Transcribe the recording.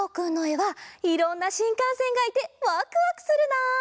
はいろんなしんかんせんがいてワクワクするな！